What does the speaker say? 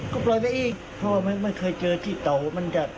ก็เลยผิดสังเกตเลยเพราะว่าเป็นชัด